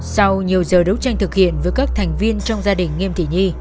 sau nhiều giờ đấu tranh thực hiện với các thành viên trong gia đình